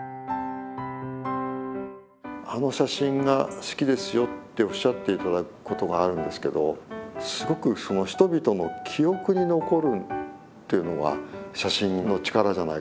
あの写真が好きですよっておっしゃっていただくことがあるんですけどすごくその人々の記憶に残るというのが写真の力じゃないかと思うんですよね。